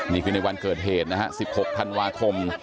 นี่คือในวันเกิดเหตุนะฮะ๑๖ธันวาคม